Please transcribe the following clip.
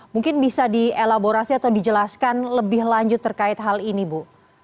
mungkin bisa dielaborasi atau dijelaskan lebih lanjut terkait hal ini bu